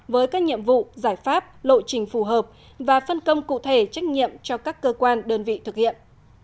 với các nhiệm vụ giải pháp lộ trình phù hợp và phân công cụ thể trách nhiệm cho các cơ quan đơn vị thực hiện